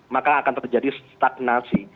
maka akan terjadi stagnasi